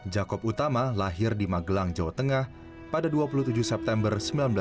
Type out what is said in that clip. jakob utama lahir di magelang jawa tengah pada dua puluh tujuh september seribu sembilan ratus enam puluh